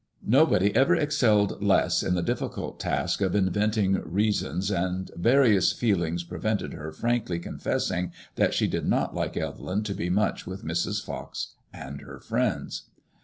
Nobody ever excelled less in the difficult task of inventing reasons, and various feelings prevented her frankly confessing that she did not like Evelyn to be much with Mrs. Fox and her friends.